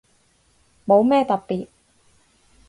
冇咩特別